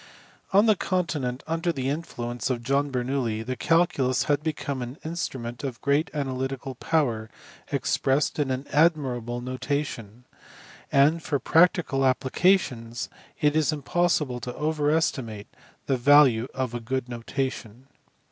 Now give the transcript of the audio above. On the continent under the influence of John Bernoulli the calculus had become an instrument of great analytical power expressed in an admirable notation and for practical applica tions it is impossible to over estimate the value of a good notation.